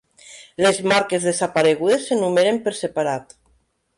Les marques desaparegudes s'enumeren per separat.